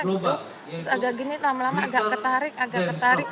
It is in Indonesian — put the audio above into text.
terus agak gini lama lama agak ketarik agak ketarik